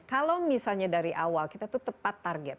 kalau misalnya dari awal kita itu tepat target